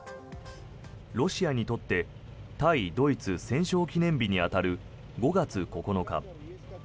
ロシアにとって対ドイツ戦勝記念日に当たる５月９日。